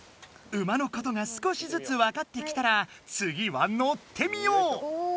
馬のことが少しずつわかってきたらつぎは乗ってみよう！